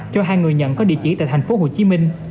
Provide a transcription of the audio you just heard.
cho hai người nhận có địa chỉ tại thành phố hồ chí minh